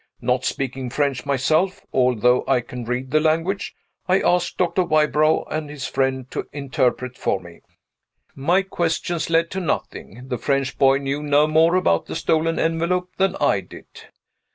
Not speaking French myself (although I can read the language), I asked Doctor Wybrow and his friend to interpret for me. My questions led to nothing. The French boy knew no more about the stolen envelope than I did.